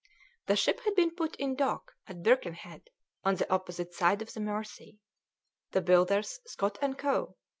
The ship had been put in dock at Birkenhead, on the opposite side of the Mersey. The builders, Scott and Co.